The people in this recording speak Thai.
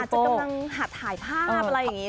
จะกำลังหัดถ่ายภาพอะไรอย่างนี้